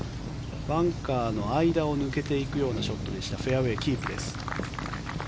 バンカーの間を抜けていくようなショットでしたフェアウェーキープです。